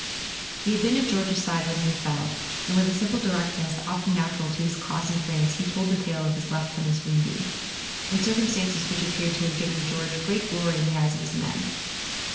He had been at George's side when he fell, and with the simple directness often nat¬ ural to his class in France he told the tale of his lieu¬ tenant's wounding, in circumstances which appeared to have given George great glory in the eyes of his men.